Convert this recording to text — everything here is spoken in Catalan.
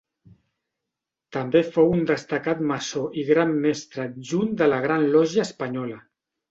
També fou un destacat maçó i Gran Mestre Adjunt de la Gran Lògia Espanyola.